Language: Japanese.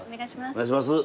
お願いします。